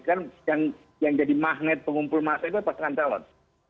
kan yang jadi magnet pengumpul masa itu pasangan calon